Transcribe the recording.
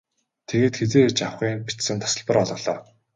Тэгээд хэзээ ирж авахы нь бичсэн тасалбар олголоо.